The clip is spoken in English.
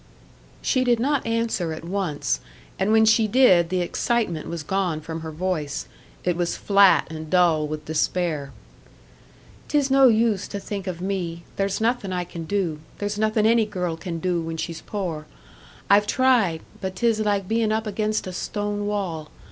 She did not answer at once, and when she did the excitement was gone from her voice; it was flat and dull with despair. "'Tis no use to think of me. There's nothin' I can do there's nothin' any girl can do when she's poor. I've tried but 'tis like bein' up against a stone wall.